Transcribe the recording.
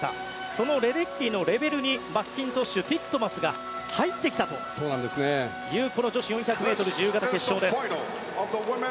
そのレデッキーのレベルにマッキントッシュティットマスが入ってきたという、この女子４００ｍ自由形決勝です。